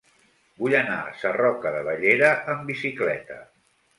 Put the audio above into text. Vull anar a Sarroca de Bellera amb bicicleta.